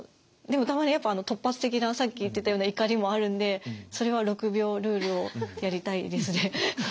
でもたまにやっぱ突発的なさっき言ってたような怒りもあるんでそれは６秒ルールをやりたいですね。